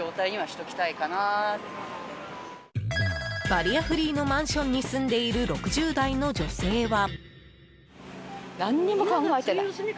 バリアフリーのマンションに住んでいる６０代の女性は。